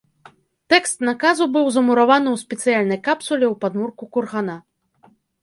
Тэкст наказу быў замураваны ў спецыяльнай капсуле ў падмурку кургана.